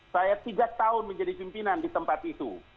saya tiga tahun menjadi pimpinan di tempat itu